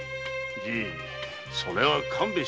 じいそれは勘弁してくれ。